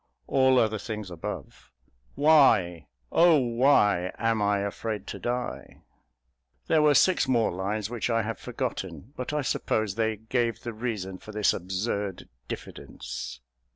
(All other things above). Why, O why, Am I afraid to die? There were six more lines which I have forgotten, but I suppose they gave the reason for this absurd diffidence.